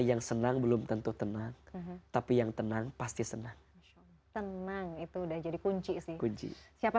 yang senang belum tentu tenang tapi yang tenang pasti senang tenang itu udah jadi kunci sih kunci siapa